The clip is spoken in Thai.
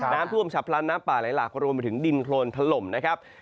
น้ำท่วมฉับพลันน้ำป่าไหลหลากรวมไปถึงดินโครนถล่มนะครับ